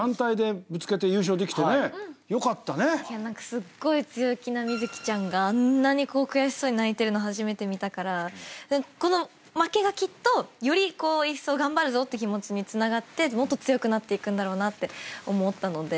すっごい強気な美月ちゃんがあんなに悔しそうに泣いてるの初めて見たからこの負けがきっとよりこういっそう頑張るぞって気持ちにつながってもっと強くなっていくんだろうなって思ったので。